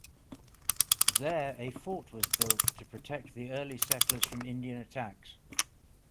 There a fort was built to protect the early settlers from Indian attacks.